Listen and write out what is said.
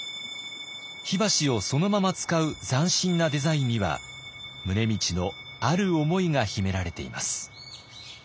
火箸をそのまま使う斬新なデザインには宗理のある思いが秘められています。